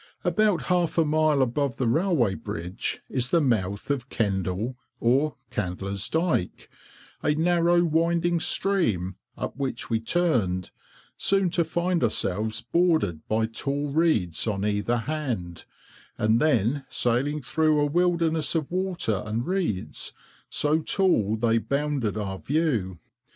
About half a mile above the railway bridge is the mouth of Kendal, or Candler's, Dyke, a narrow winding stream, up which we turned, soon to find ourselves bordered by tall reeds on either hand, and then sailing through a wilderness of water and reeds so tall that they bounded our view.